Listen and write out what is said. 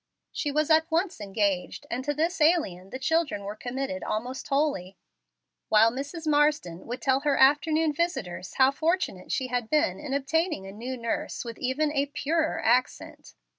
She was at once engaged, and to this alien the children were committed almost wholly, while Mrs. Marsden would tell her afternoon visitors how fortunate she had been in obtaining a new nurse with even a "purer accent."